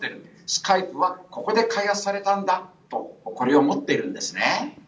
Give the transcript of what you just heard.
スカイプはここで開発されたんだと誇りを持っているんですね。